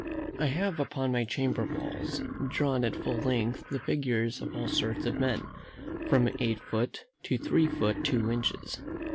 I have upon my chamber walls drawn at full length the figures of all sorts of men, from eight foot to three foot two inches.